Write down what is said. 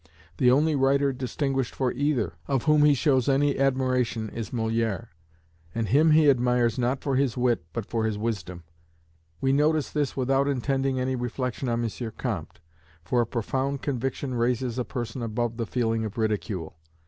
The only writer distinguished for either, of whom he shows any admiration, is Molière, and him he admires not for his wit but for his wisdom. We notice this without intending any reflection on M. Comte; for a profound conviction raises a person above the feeling of ridicule.